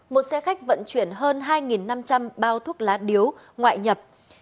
một xe khách vận chuyển hơn hai năm trăm linh bao thuốc lá điếu ngoại nhập